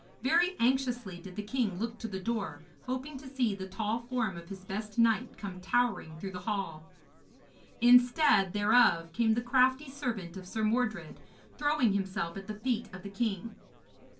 Very anxiously did the king look to the door, hoping to see the tall form of his best knight come towering through the hall. Instead thereof came the crafty servant of Sir Mordred, throwing himself at the feet of the king.